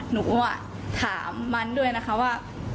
หนูถามมันด้วยนะคะว่า